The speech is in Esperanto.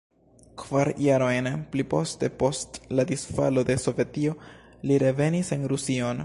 Kvar jarojn pliposte, post la disfalo de Sovetio, li revenis en Rusion.